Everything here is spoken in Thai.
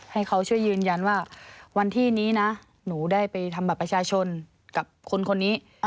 ให้เขาช่วยยืนยันว่าวันที่นี้นะหนูได้ไปทำบัตรประชาชนกับคนนี้